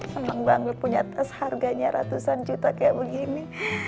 senang banget punya tas harganya ratusan juta kayak begini